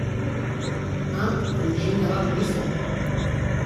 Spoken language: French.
un rue Général Besson